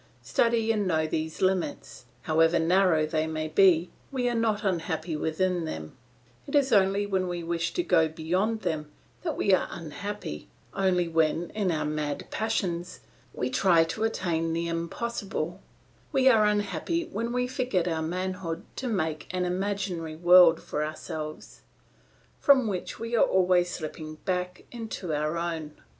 Study and know these limits; however narrow they may be, we are not unhappy within them; it is only when we wish to go beyond them that we are unhappy, only when, in our mad passions, we try to attain the impossible; we are unhappy when we forget our manhood to make an imaginary world for ourselves, from which we are always slipping back into our own.